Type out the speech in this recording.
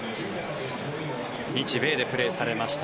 日米でプレーされました